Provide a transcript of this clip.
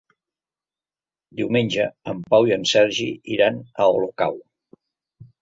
Diumenge en Pau i en Sergi iran a Olocau.